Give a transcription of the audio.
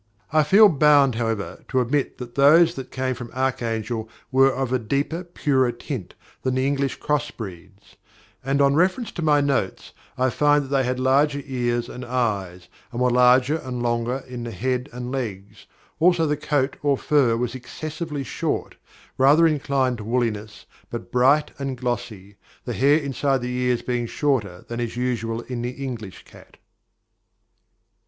I feel bound, however, to admit that those that came from Archangel were of a deeper, purer tint than the English cross breeds; and on reference to my notes, I find they had larger ears and eyes, and were larger and longer in the head and legs, also the coat or fur was excessively short, rather inclined to woolliness, but bright and glossy, the hair inside the ears being shorter than is usual in the English cat.